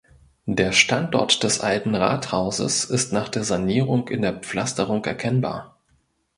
Der Standort des Alten Rathauses ist nach der Sanierung in der Pflasterung erkennbar.